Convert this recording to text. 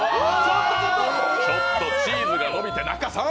ちょっと、チーズが伸びて仲さん！